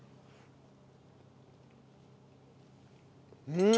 うん！